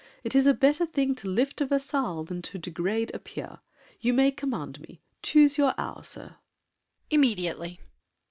It is a better thing to lift a vassal Than to degrade a peer. You may command me! Choose your hour, sir. DIDIER. Immediately! SAVERNY.